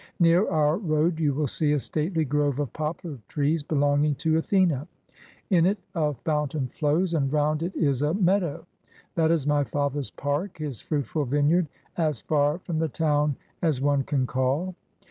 Near our road you will see a stately grove of poplar trees, belong ing to Athene; in it a fountain flows, and round it is a meadow. That is my father's park, his fruitful vineyard, as far from the town as one can call.